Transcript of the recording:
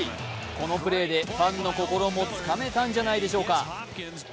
このプレーでファンの心もつかめたんじゃないでしょうか。